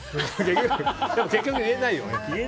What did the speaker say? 結局言えないよ。